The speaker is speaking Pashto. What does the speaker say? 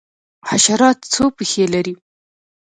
حشرات څو پښې لري؟